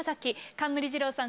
冠二郎さん